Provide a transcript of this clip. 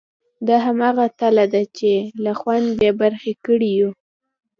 دا همغه تله ده چې له خوند بې برخې کړي یو.